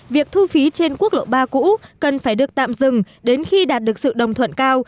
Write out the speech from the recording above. việc thu phí trên quốc lộ ba cũ cần phải được tạm dừng đến khi đạt được sự đồng thuận cao